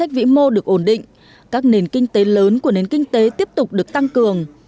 vĩ mô được ổn định các nền kinh tế lớn của nền kinh tế tiếp tục được tăng cường